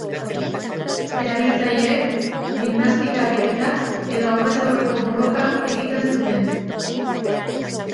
Erabiltzaileek, gimnastika ariketak edo aurrez aurreko borroka egiten zuten.